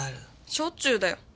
しょっちゅうだよ。